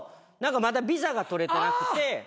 まだビザが取れてなくて。